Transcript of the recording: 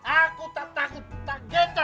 aku tak takut tak gentah